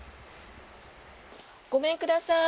ごめんください。